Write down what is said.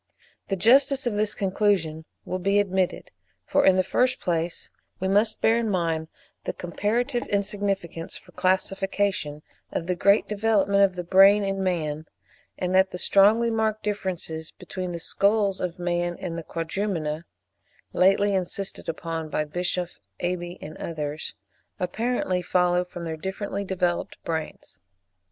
The justice of this conclusion will be admitted: for in the first place, we must bear in mind the comparative insignificance for classification of the great development of the brain in man, and that the strongly marked differences between the skulls of man and the Quadrumana (lately insisted upon by Bischoff, Aeby, and others) apparently follow from their differently developed brains.